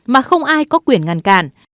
mà không ai có quyền ngăn cản